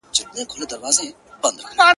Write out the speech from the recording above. د نارينه خبره يوه وي.